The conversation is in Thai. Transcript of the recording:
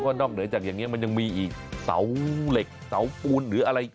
นอกเหนือจากอย่างนี้มันยังมีอีกเสาเหล็กเสาปูนหรืออะไร